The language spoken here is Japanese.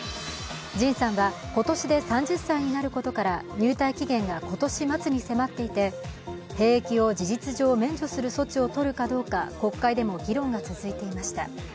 ＪＩＮさんは、今年で３０歳になることから入隊期限が今年末に迫っていて兵役を事実上免除する措置を取るかどうか国会でも議論が続いていました。